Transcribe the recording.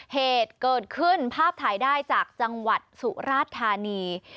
เหตุเกิดขึ้นภาพถ่ายได้จากจังหวัดสุราธานี